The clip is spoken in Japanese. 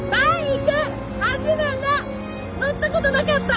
乗ったことなかった。